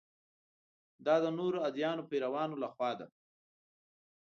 دا د نورو ادیانو پیروانو له خوا ده.